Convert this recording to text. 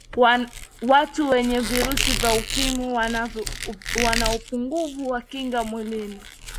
Watu wenye virusi vya ukimwi wana upungufu wa kinga mwilini